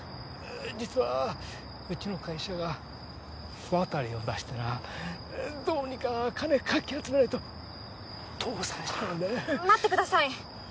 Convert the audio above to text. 実はうちの会社が不渡りを出してなどうにか金かき集めないと倒産しちまうんだわ待ってください